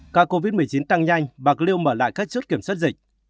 ca covid một mươi chín tăng nhanh bạc liêu mở lại các chốt kiểm soát dịch